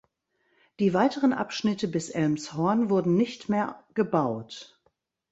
Die weiteren Abschnitte bis Elmshorn wurden nicht mehr gebaut.